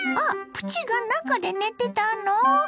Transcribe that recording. プチが中で寝てたの？